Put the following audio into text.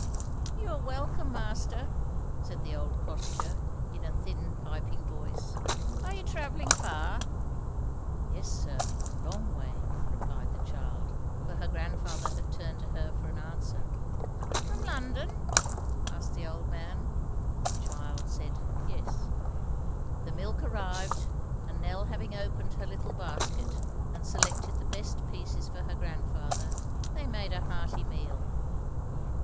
"You are welcome, master," said the old cottager, in a thin, piping voice. "Are you travelling far?" "Yes, sir; a long way," replied the child, for her grandfather had turned to her for an answer. "From London?" asked the old man The child said yes. The milk arrived, and Nell having opened her little basket and selected the best pieces for her grandfather, they made a hearty meal.